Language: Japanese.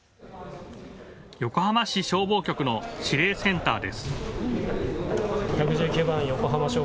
横浜市消防局の司令センターです。